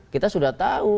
kita sudah tahu